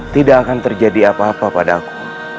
tidak akan terjadi apa apa padaku